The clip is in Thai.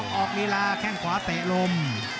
ออกลีลาแข้งขวาเตะลม